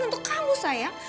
untuk kamu sayang